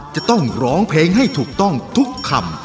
จะต้องร้องเพลงให้ถูกต้องทุกคำ